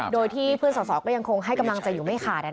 โดยที่เพื่อนสอสอก็ยังคงให้กำลังใจอยู่ไม่ขาด